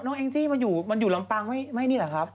น้องเอ็งจี้มาอยู่ลำปังไม่นี่หรอครับ